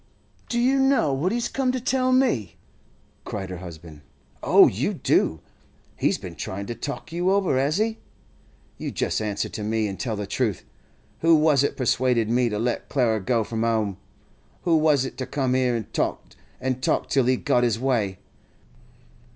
'Do you know what he's come to tell me?' cried her husband. 'Oh, you do! He's been tryin' to talk you over, has he? You just answer to me, an' tell the truth. Who was it persuaded me to let Clara go from 'ome? Who was it come here an' talked an' talked till he got his way?